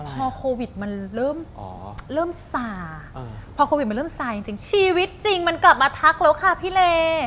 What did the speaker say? พอโควิดมันเริ่มสาพอโควิดมันเริ่มซาจริงชีวิตจริงมันกลับมาทักแล้วค่ะพี่เล